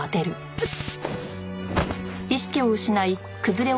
うっ！